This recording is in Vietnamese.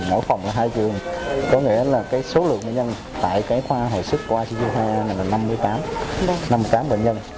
ở phòng là hai trường có nghĩa là số lượng bệnh nhân tại khoa hồi sức của icu hai là năm mươi tám bệnh nhân